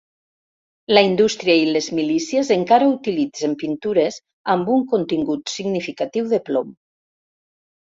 La indústria i les milícies encara utilitzen pintures amb un contingut significatiu de plom.